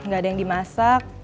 gak ada yang dimasak